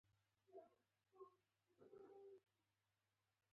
د شلي کوریا وګړي خپله سپما په وون ساتي.